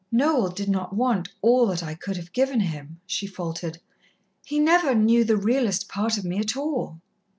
"Noel did not want all that I could have given him," she faltered. "He never knew the reallest part of me at all."